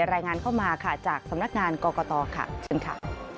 รายงานเข้ามาค่ะจากสำนักงานกรกตค่ะเชิญค่ะ